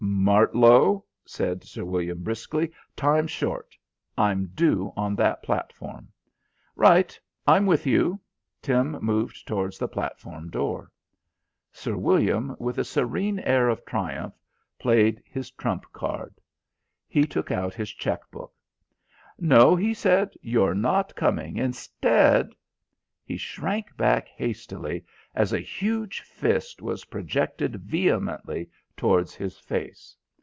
"Martlow," said Sir William briskly, "time's short. I'm due on that platform." "Right, I'm with you." Tim moved towards the platform door. Sir William, with a serene air of triumph, played his trump card. He took out his cheque book. "No," he said. "You're not coming. Instead " He shrank back hastily as a huge fist was projected vehemently towards his face.